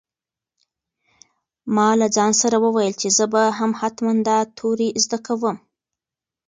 ما له ځان سره وویل چې زه به هم حتماً دا توري زده کوم.